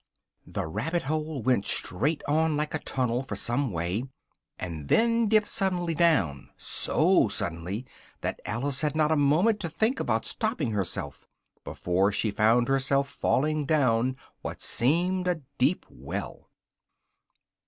The rabbit hole went straight on like a tunnel for some way, and then dipped suddenly down, so suddenly, that Alice had not a moment to think about stopping herself, before she found herself falling down what seemed a deep well.